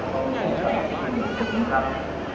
ขอบคุณทุกคนมากครับที่ทุกคนรัก